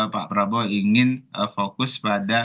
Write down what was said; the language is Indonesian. pak prabowo ingin fokus pada